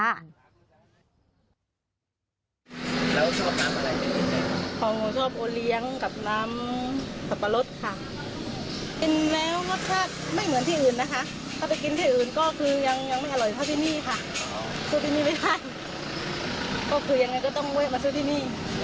แล้วชอบน้ำอะไรในที่นี่